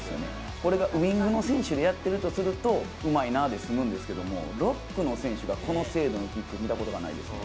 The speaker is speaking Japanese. これがウイングの選手でやってるとすると、うまいなで済むんですけど、ロックの選手がこの精度のキック、見たことがないですね。